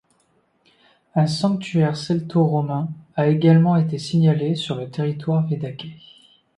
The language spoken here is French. Un sanctuaire celto-romain a également été signalé sur le territoire védaquais.